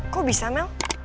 kok bisa mel